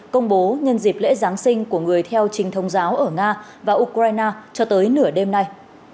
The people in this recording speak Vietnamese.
công bố nhân dịp lễ giáng sinh của người theo trình thông giáo ở nga và ukraine cho tới nửa đêm nay